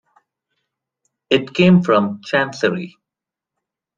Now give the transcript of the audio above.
It came from Chancery.